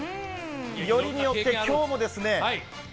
よりによって今日もですね